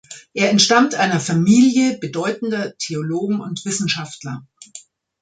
Er entstammt einer Familie bedeutender Theologen und Wissenschaftler.